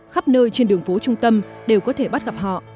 khắp nơi trên đường phố trung tâm đều có thể bắt gặp họ